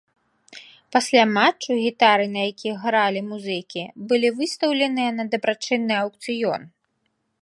Пасля матчу гітары, на якіх гралі музыкі, былі выстаўленыя на дабрачынны аўкцыён.